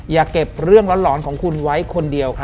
อย่าเก็บเรื่องหลอนของคุณไว้คนเดียวครับ